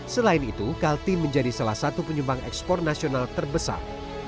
selain itu kaltim menjadi salah satu penyumbang ekspor nasional terbesar